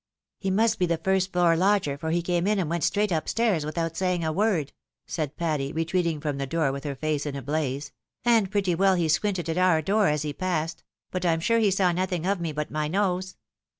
" He must be the first floor lodger, for he came in and went straight up stairs without saying a word," said Patty, retreating from the door with her face in a blaze ;" and pretty well he squinted at our door as he passed ; but I'm sure he saw nothing of me but my nose."